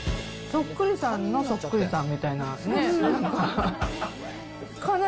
そっくりさんのそっくりさんみたいなね。